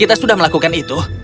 itu adalah perasaan yang paling baik